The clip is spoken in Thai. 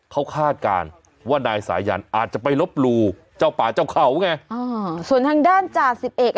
เขาคาดการณ์ว่านายสายันอาจจะไปลบหลู่เจ้าป่าเจ้าเขาไงอ่าส่วนทางด้านจ่าสิบเอก